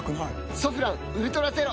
「ソフランウルトラゼロ」